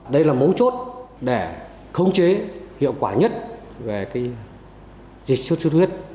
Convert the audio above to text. đây là mấu chốt để khống chế hiệu quả nhất về dịch sốt xuất huyết